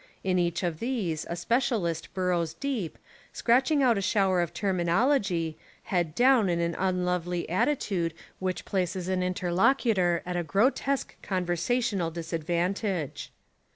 In each of these a specialist burrows deep, scratching out 44 The Devil and the Deep Sea a shower of terminology, head down in an unlovely attitude which places an interlocutor at a grotesque conversational disadvantage.